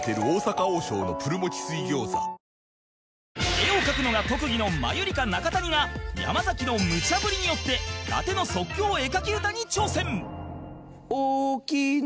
絵を描くのが特技のマユリカ中谷が山崎のむちゃ振りによって伊達の即興絵描き歌に挑戦！